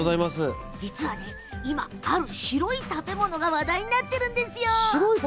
実は今、ある白い食べ物が話題になっているんですよ。